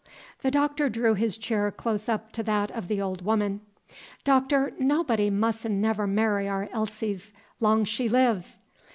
The Doctor drew his chair close up to that of the old woman. "Doctor, nobody mus'n' never marry our Elsie 's longs she lives!